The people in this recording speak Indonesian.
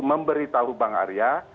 memberi tahu bang arya